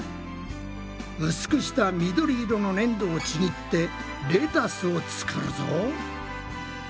うすくした緑色のねんどをちぎってレタスを作るぞ。